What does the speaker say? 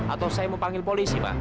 atau saya mau panggil polisi pak